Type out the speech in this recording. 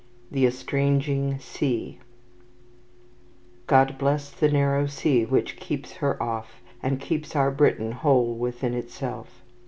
The Estranging Sea "God bless the narrow sea which keeps her off, And keeps our Britain whole within itself."